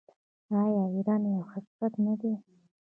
آیا ایران یو حقیقت نه دی؟